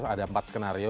ada empat skenario